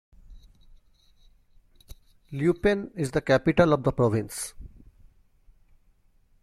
Lupane is the capital of the province.